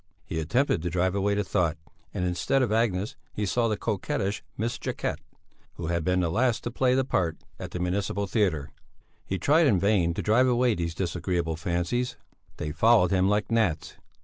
He attempted to drive away the thought, and instead of Agnes he saw the coquettish Miss Jacquette, who had been the last to play the part at the Municipal Theatre. He tried in vain to drive away these disagreeable fancies; they followed him like gnats.